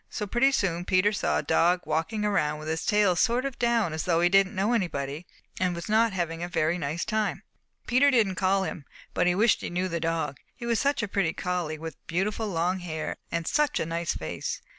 So pretty soon Peter saw a dog walking around with his tail sort of down as though he didn't know anybody and was not having a very nice time. Peter didn't call him, but he wished he knew the dog, he was such a pretty collie with beautiful long hair and such a nice face.